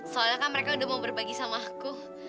soalnya kan mereka udah mau berbagi sama aku